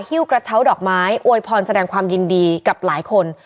ฮิ้วกระเช้าดอกไม้อวยพรแสดงความยินดีกับหลายคน